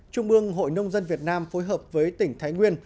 trung ương hội nông dân việt nam phối hợp với tỉnh thái nguyên